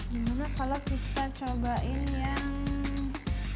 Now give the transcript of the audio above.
gimana kalau kita cobain yang ini deh